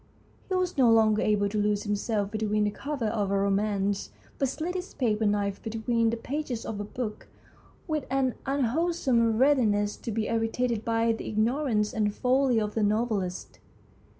He was no longer able to lose himself between the covers of a romance, but slid his paper knife between the pages of a book with an unwholesome readi ness to be irritated by the ignorance and folly of the novelist.